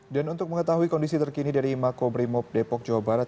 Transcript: dan untuk mengetahui kondisi terkini dari makobrimob depok jawa barat